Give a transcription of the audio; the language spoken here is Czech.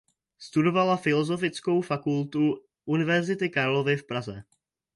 Studovala Filozofickou fakultu Univerzity Karlovy v Praze.